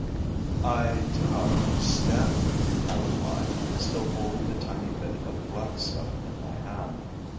"I do not understand you," I replied, still holding the tiny bit of black stuff in my hand.